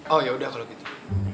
oh yaudah kalo gitu